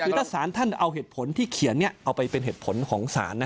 คือถ้าสารท่านเอาเหตุผลที่เขียนเอาไปเป็นเหตุผลของศาล